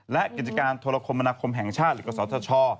และกิจการธรรมนาคมแห่งชาติหรือกระสอบทช